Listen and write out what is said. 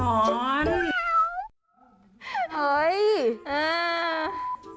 แล้วความเป็นส่วนตัวความเป็นส่วนตัวของคุณหน่อย